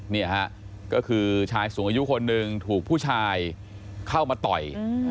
นี่ฮะก็คือชายสูงอายุคนหนึ่งถูกผู้ชายเข้ามาต่อย